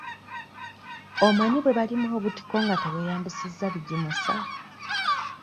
Omanyi bwe balima obutiko nga teweeyambisa bigimusa?